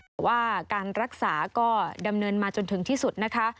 แต่ว่าการรักษาก็ดำเนินมาจนถึงที่สุดนะคะ